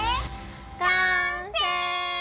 完成！